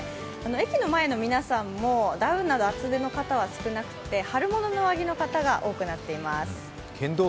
駅の前の皆さんもダウンなど厚手の方は少なくて春物の上着の方が多くなっています。